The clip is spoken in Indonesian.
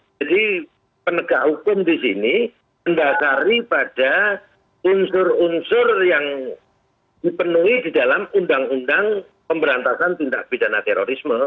jadi penegak hukum di sini mendasari pada unsur unsur yang dipenuhi di dalam undang undang pemberantasan tindak pidana terorisme